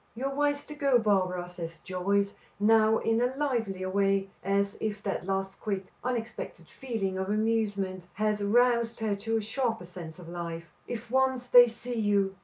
"You are wise to go, Barbara," says Joyce, now in a livelier way, as if that last quick, unexpected feeling of amusement has roused her to a sharper sense of life. "If once they see you!